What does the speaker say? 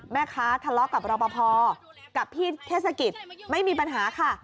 แม่ค้าทะเลาะกับรอปภกับพี่เทศกิจไม่มีปัญหาค่ะ